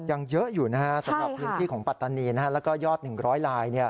ยังเยอะอยู่นะฮะสำหรับพื้นที่ของปัตตานีนะฮะแล้วก็ยอด๑๐๐ลาย